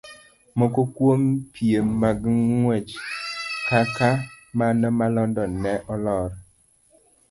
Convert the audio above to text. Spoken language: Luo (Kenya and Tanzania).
Moko kuom piem mag ng'wech kaka mano ma London ne olor.